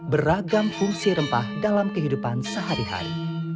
beragam fungsi rempah dalam kehidupan sehari hari